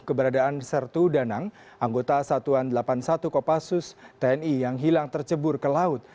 keberadaan sertu danang anggota satuan delapan puluh satu kopassus tni yang hilang tercebur ke laut